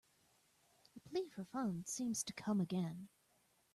A plea for funds seems to come again.